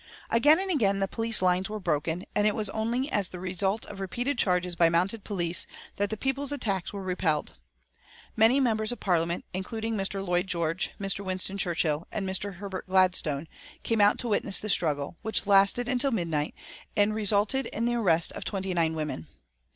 Again and again the police lines were broken, and it was only as the result of repeated charges by mounted police that the people's attacks were repelled. Many members of Parliament, including Mr. Lloyd George, Mr. Winston Churchill, and Mr. Herbert Gladstone, came out to witness the struggle, which lasted until midnight and resulted in the arrest of twenty nine women.